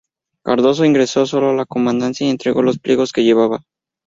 Cardoso ingresó solo a la comandancia y entregó los pliegos que llevaba.